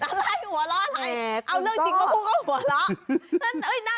อะไรหัวเราะอะไรเอาเรื่องจริงมาพูดก็หัวเราะ